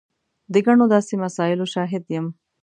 د ګڼو داسې مسایلو شاهد یم.